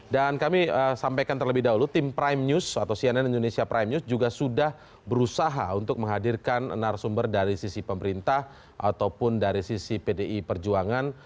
dan kami sampaikan terlebih dahulu tim prime news atau cnn indonesia prime news juga sudah berusaha untuk menghadirkan narasumber dari sisi pemerintah ataupun dari sisi pdi perjuangan